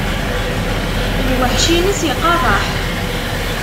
Lweḥc-ines iqerreḥ.